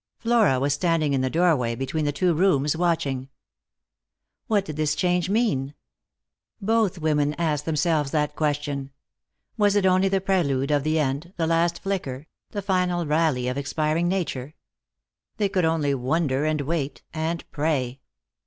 Flora was standing in the doorway be tween the two rooms watching. What did this change mean ? Both women asked themselves that question. Was it only the prelude of the end, the last flicker, the final rally of expiring nature? They could only wonder, and wait, and pray.